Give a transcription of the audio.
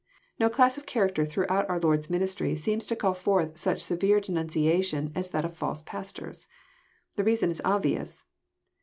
No class of character throughout our Lord's ministry seems to call forth such severe denunciation as that of false pastors. The reasom is obvious.